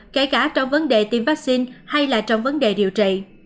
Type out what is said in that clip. kể cả trong vấn đề tiêm vaccine hay là trong vấn đề điều trị